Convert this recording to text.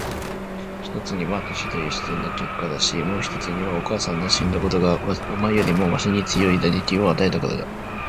一つには年という自然の結果だし、もう一つにはお母さんの死んだことがお前よりもわしに強い打撃を与えたからだ。